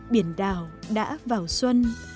biển đảo đã vào xuân